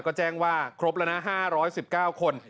ก็แจ้งว่าครบแล้วนะ๕๑๙คน